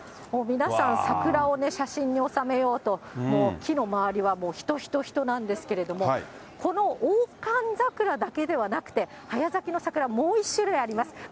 もう皆さん、桜を写真に収めようと、もう木の周りは人人人なんですけれども、この大寒桜だけではなくて、早咲きの桜、もう１種類あります。